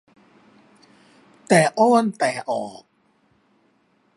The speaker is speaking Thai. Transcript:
แต่อ้อนแต่ออก